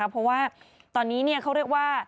เพราะว่าตอนนี้เขาเรียกว่า